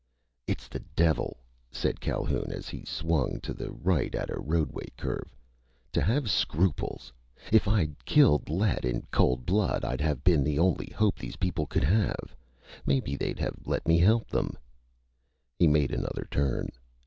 "It's the devil," said Calhoun as he swung to the right at a roadway curve, "to have scruples! If I'd killed Lett in cold blood, I'd have been the only hope these people could have! Maybe they'd have let me help them!" He made another turn.